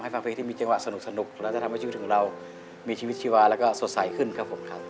ให้ฟังเพลงที่มีเจคว้าสนุกจะทำให้ชีวิตของเรามีชีวิตชีวาและสดใสขึ้นครับผม